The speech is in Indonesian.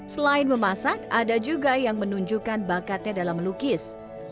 selain memasak ada juga yang menunjukkan bakatnya dalam melukis